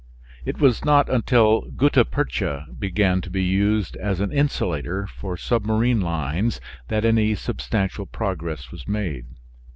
It was not until gutta percha began to be used as an insulator for submarine lines that any substantial progress was made.